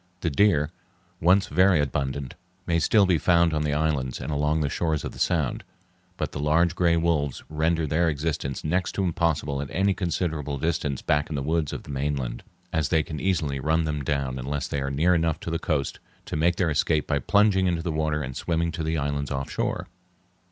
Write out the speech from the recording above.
The deer, once very abundant, may still be found on the islands and along the shores of the Sound, but the large gray wolves render their existence next to impossible at any considerable distance back in the woods of the mainland, as they can easily run them down unless they are near enough to the coast to make their escape by plunging into the water and swimming to the islands off shore.